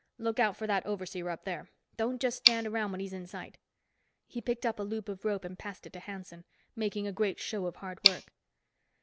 Look out for that overseer up there. Don't just stand around when he's in sight." He picked up a loop of rope and passed it to Hanson, making a great show of hard work.